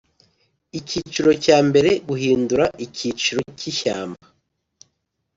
Icyiciro cya mbere Guhindura icyiciro cy ishyamba